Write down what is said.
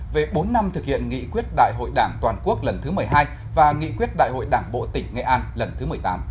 về bốn năm thực hiện nghị quyết đại hội đảng toàn quốc lần thứ một mươi hai và nghị quyết đại hội đảng bộ tỉnh nghệ an lần thứ một mươi tám